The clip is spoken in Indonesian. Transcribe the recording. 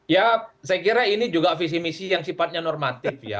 ya saya kira ini juga visi misi yang sifatnya normatif ya